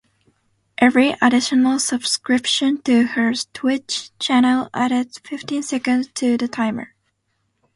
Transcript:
Every additional subscription to her Twitch channel added fifteen seconds to the timer.